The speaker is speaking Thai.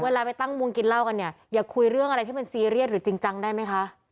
เวลาไปตั้งวงกินเหล้ากันเนี่ยอย่าคุยเรื่องอะไรที่มันซีเรียสหรือจริงจังได้ไหมคะ